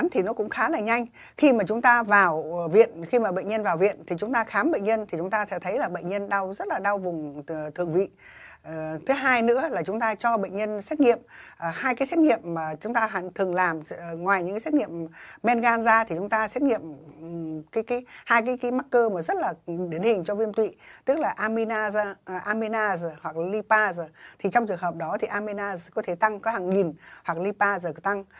tức là aminaz hoặc lipaz trong trường hợp đó aminaz có thể tăng có hàng nghìn hoặc lipaz có thể tăng